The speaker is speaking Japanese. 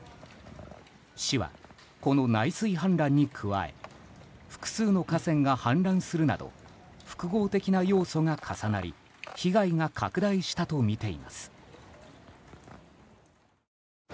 市は、この内水氾濫に加え複数の河川が氾濫するなど複合的な要素が重なり被害が拡大したとみています。